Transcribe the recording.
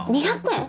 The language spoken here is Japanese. ２００円？